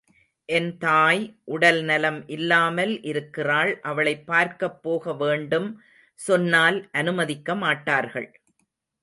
என் தாய் உடல் நலம் இல்லாமல் இருக்கிறாள் அவளைப் பார்க்கப் போக வேண்டும் சொன்னால் அனுமதிக்க மாட்டார்கள்.